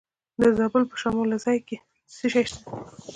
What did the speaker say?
د زابل په شمولزای کې څه شی شته؟